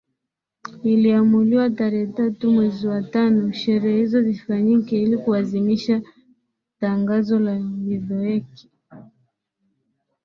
Iliamuliwa tarehe tatu mwezi wa tano sherehe hizo zifanyike ili kuadhimisha Tangazo la Windhoek